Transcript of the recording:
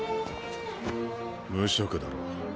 無職だろ。